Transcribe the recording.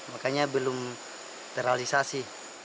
makanya belum terrealisasi